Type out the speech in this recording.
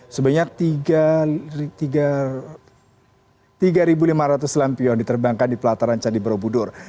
sebanyak tiga lima ratus lampion diterbangkan di pelataran candi borobudur